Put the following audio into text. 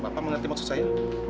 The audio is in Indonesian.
bapak mengerti maksud saya